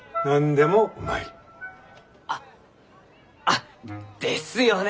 あっあですよね！